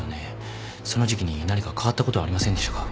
その時期に何か変わったことはありませんでしたか？